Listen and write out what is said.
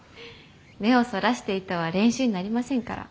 目をそらしていては練習になりませんから。